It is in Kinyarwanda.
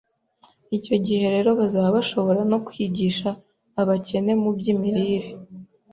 Icyo gihe rero bazaba bashobora no kwigisha abakene mu by’imirire